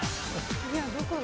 次はどこだ？